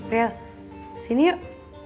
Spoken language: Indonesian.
riel sini yuk